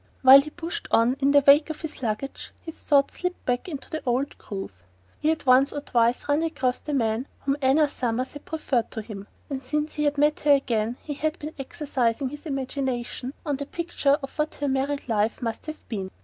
While he pushed on in the wake of his luggage his thoughts slipped back into the old groove. He had once or twice run across the man whom Anna Summers had preferred to him, and since he had met her again he had been exercising his imagination on the picture of what her married life must have been.